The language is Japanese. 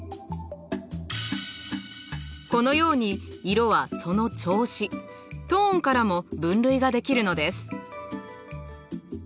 このように色はその調子トーンからも分類ができるのです。